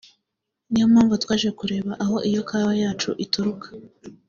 ni yo mpamvu twaje kureba aho iyo kawa yacu ituruka